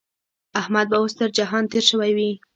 احمد به اوس تر جهان تېری شوی وي.